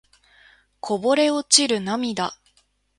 こぼれ落ちる涙